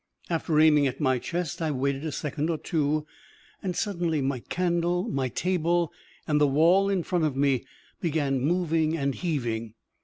After aiming at my chest I waited a second or two, and suddenly my candle, my table, and the wall in front of me began moving and heaving.